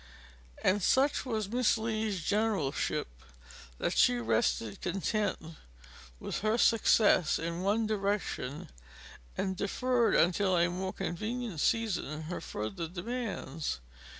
And such was Miss Lee's generalship that she rested content with her success in one direction, and deferred until a more convenient season her further demands.